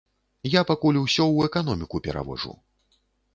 Я пакуль усё ў эканоміку перавожу.